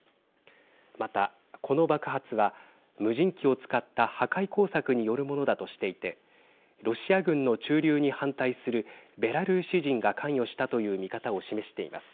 また、この爆発は無人機を使った破壊工作によるものだとしていてロシア軍の駐留に反対するベラルーシ人が関与したという見方を示しています。